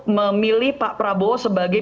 memilih pak prabowo sebagai